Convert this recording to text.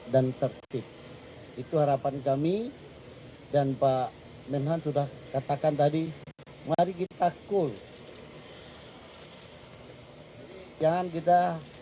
dan tertutup itu harapan kami dan pak menhan sudah katakan tadi mari kita cool jangan kita